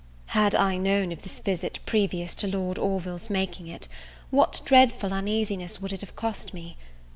Had I known of this visit previous to Lord Orville's making it, what dreadful uneasiness would it have cost me!